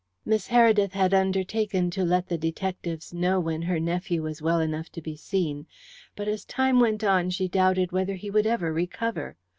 Miss Heredith had undertaken to let the detectives know when her nephew was well enough to be seen, but as time went on she doubted whether he would ever recover.